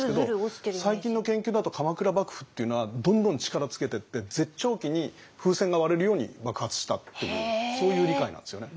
最近の研究だと鎌倉幕府っていうのはどんどん力つけてって絶頂期に風船が割れるように爆発したっていうそういう理解なんですよね。